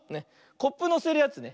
コップのせるやつね。